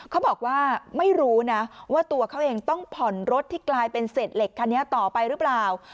เขาบอกว่าไม่รู้นะว่าตัวเขาเองต้องผ่อนรถที่กลายเป็นเศษเหล็กคันนี้ต่อไปหรือเปล่า